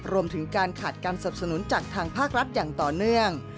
รวมถึงการขาดการสับสนุนจากทางภาครัฐอย่างต่อเนื่อง